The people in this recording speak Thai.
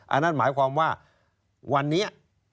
อันนั้นหมายความว่าวันนี้